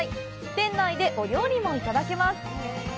店内でお料理もいただけます。